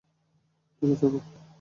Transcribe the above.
ঠিক আছে আপু।